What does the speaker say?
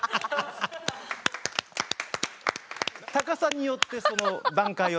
高さによってその段階を。